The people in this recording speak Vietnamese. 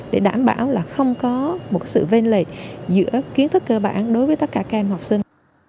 để đảm bảo là không có một sự ven lệch giữa kiến thức cơ bản đối với tất cả các em học sinh